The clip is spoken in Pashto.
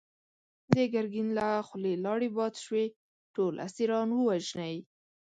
د ګرګين له خولې لاړې باد شوې! ټول اسيران ووژنی!